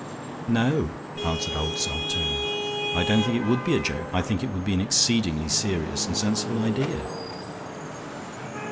"No," answered Old Saltoun, "I don't think it would be a joke. I think it would be an exceedingly serious and sensible idea."